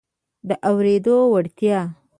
د اورېدو وړتیا